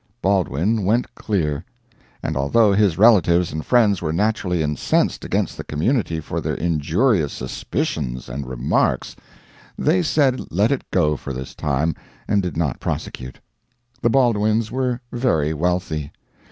Baldwin went clear, and although his relatives and friends were naturally incensed against the community for their injurious suspicions and remarks, they said let it go for this time, and did not prosecute. The Baldwins were very wealthy.